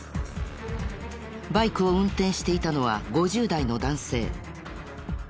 バイクを運転していたのは５０代の男性。